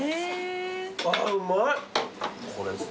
あっうまい。